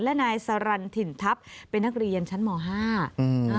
และนายสรันถิ่นทัพเป็นนักเรียนชั้นหมอ๕